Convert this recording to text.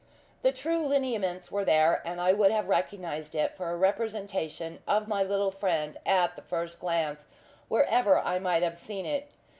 The true lineaments were there and I would have recognised it for a representation of my little friend at the first glance, wherever I might have seen it.